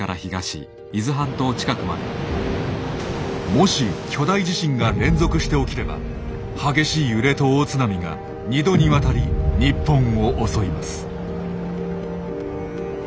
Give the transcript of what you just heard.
もし巨大地震が連続して起きれば激しい揺れと大津波が２度にわたり日本を襲います。